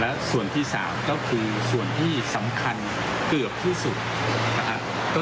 และส่วนที่๓ก็คือส่วนที่สำคัญเกือบที่สุดนะครับ